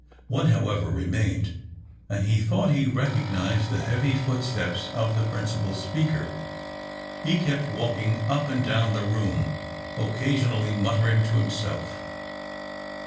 One, however, remained, and he thought he recognised the heavy footsteps of the principal speaker. He kept walking up and down the room, occasionally muttering to himself.